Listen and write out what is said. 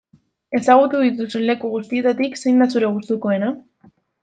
Ezagutu dituzun leku guztietatik zein da zure gustukoena?